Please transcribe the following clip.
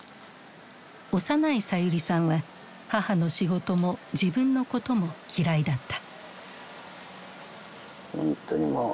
幼いさゆりさんは母の仕事も自分のことも嫌いだった。